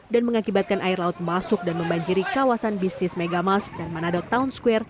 dan mengakibatkan air laut masuk dan membanjiri kawasan bisnis megamas dan manado town square